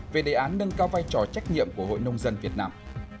về đề án nâng cao vai trò trách nhiệm của hội nông dân việt nam